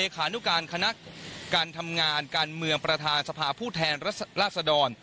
การทำงานการเมืองประธานสภาพผู้แทนราศดร